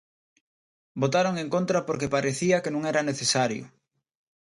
Votaron en contra porque parecía que non era necesario.